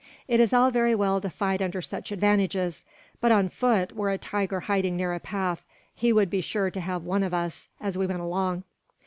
It is all very well to fight under such advantages; but on foot, were a tiger hiding near a path, he would be sure to have one of us as we went along.